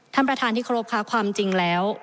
ท่านประธานที่ครบค่ะความจริงแล้ว